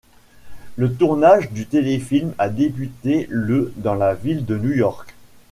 Le tournage du téléfilm a débuté le dans la ville de New York.